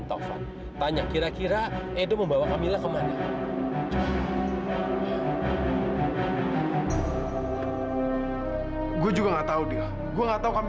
kamu mau cari kemana dan kamu mau naik ke apa fadil